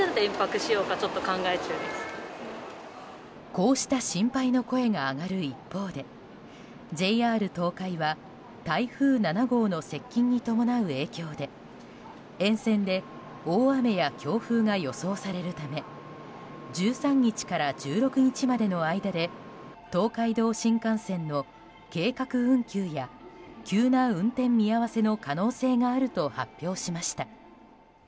こうした心配の声が上がる一方でＪＲ東海は台風７号の接近に伴う影響で沿線で大雨や強風が予想されるため１３日から１６日までの間で東海道新幹線の計画運休や急な運転見合わせの可能性があると発表しました。